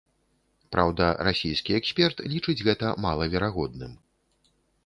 Праўда, расійскі эксперт лічыць гэта малаверагодным.